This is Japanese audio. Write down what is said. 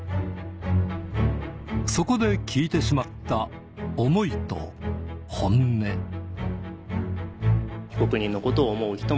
そこで聞いてしまった思いと本音うん。